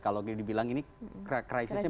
kalau dibilang ini krisisnya